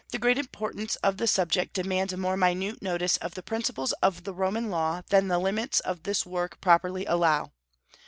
The great importance of the subject demands a more minute notice of the principles of the Roman law than the limits of this work properly allow.